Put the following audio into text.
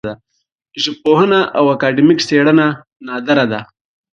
ژبپوهنه او اکاډمیک څېړنه نادره ده